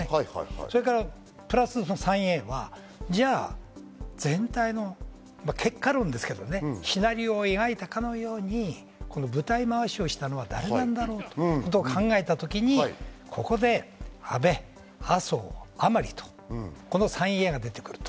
それからプラスの３Ａは、じゃあ、全体の結果論ですけれどもね、シナリオを描いたかのように、この舞台まわしをしたのは誰なんだろうということを考えた時にここで安倍、麻生、甘利、この３Ａが出てくる。